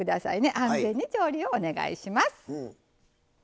安全に調理をお願いします。